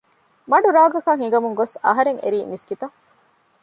މަޑު ރާގަކަށް ހިނގަމުން ގޮސް އަހަރެން އެރީ މިސްކިތަށް